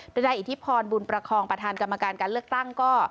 โดยนายอิทธิพรบุญประคองประธานกรรมการการเลือกตั้งก็